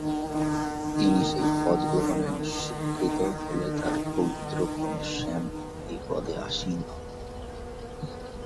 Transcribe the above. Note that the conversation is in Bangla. তিনি সেই পদ গ্রহণে অস্বীকৃত হলে তার পৌত্র ঘনশ্যাম এই পদে আসীন হন।